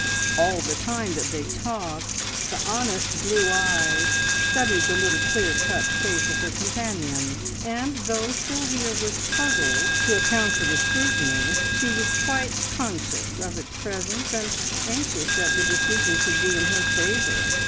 All the time that they talked the honest blue eyes studied the little clear cut face of her companion, and though Sylvia was puzzled to account for the scrutiny, she was quite conscious of its presence, and anxious that the decision should be in her favour.